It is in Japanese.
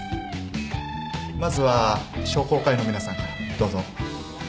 まずは商工会の皆さんからどうぞ。